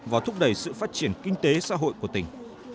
và thúc đẩy sự phát triển kinh tế xã hội của tỉnh